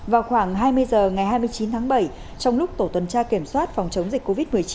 vào khoảng hai mươi h ngày hai mươi chín tháng bảy trong lúc tổ tuần tra kiểm soát phòng chống dịch covid một mươi chín